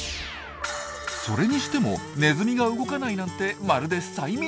それにしてもネズミが動かないなんてまるで催眠術。